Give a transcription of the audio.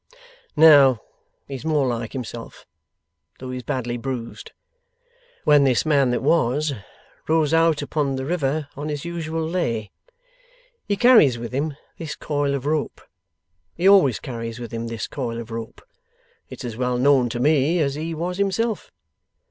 Now he's more like himself; though he's badly bruised, when this man that was, rows out upon the river on his usual lay. He carries with him this coil of rope. He always carries with him this coil of rope. It's as well known to me as he was himself.